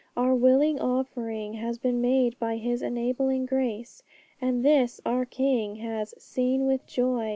Our willing offering has been made by His enabling grace, and this our King has 'seen with joy.'